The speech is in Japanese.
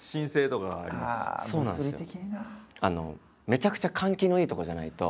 めちゃくちゃ換気のいい所じゃないと。